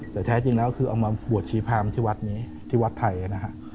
แต่แท้จริงแล้วคือเอามาบวชชีพรามที่วัดนี้ที่วัดไทยนะฮะ